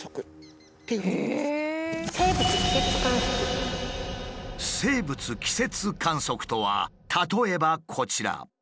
生物季節観測とは例えばこちら。